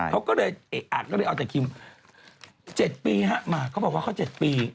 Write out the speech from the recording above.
เขาก็เลยเอาแต่คิม๗ปีมาเขาบอกว่าเขา๗ปี